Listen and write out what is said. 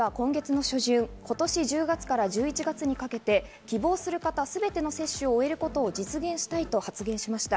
まずは１つ目のテーマ、菅総理は今月の初旬、今年１０月から１１月にかけて希望する方全ての接種を終えることを実現したいと発言しました。